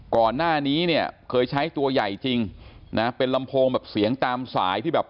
ก่อนหน้านี้เนี่ยเคยใช้ตัวใหญ่จริงนะเป็นลำโพงแบบเสียงตามสายที่แบบ